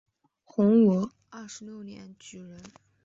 洪武二十六年举人。